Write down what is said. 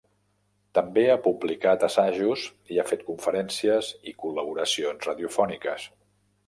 També ha publicat assajos i ha fet conferències i col·laboracions radiofòniques.